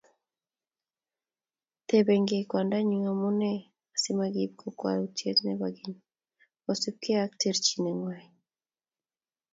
tebengei kwandanyin amune asimakiib kakwoutiet nebo keny kosibgei ak terchinet ng'wany.